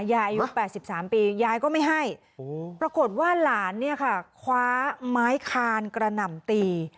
อายุ๘๓ปียายก็ไม่ให้ปรากฏว่าหลานเนี่ยค่ะคว้าไม้คานกระหน่ำตี